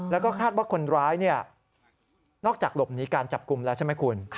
แล้วก็คาดว่าคนร้ายนอกจากหลบหนีการจับกลุ่มแล้วใช่ไหมคุณ